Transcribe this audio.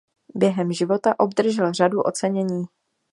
Během života obdržel řadu ocenění.